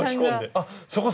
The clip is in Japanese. あっそこ